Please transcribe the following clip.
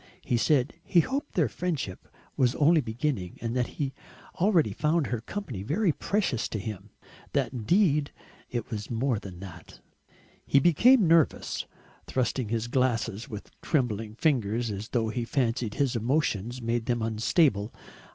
He said he hoped their friendship was only beginning, that he already found her company very precious to him, that indeed it was more than that. He became nervous, thrusting at his glasses with trembling fingers as though he fancied his emotions made them unstable.